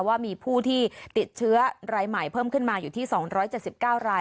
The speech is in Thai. ว่ามีผู้ที่ติดเชื้อรายใหม่เพิ่มขึ้นมาอยู่ที่๒๗๙ราย